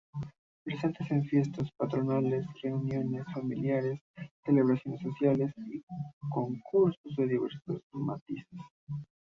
Presentes en fiestas patronales, reuniones familiares, celebraciones sociales y...concursos de diversos matices.